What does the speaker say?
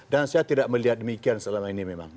dan saya tidak melihat demikian selama ini memang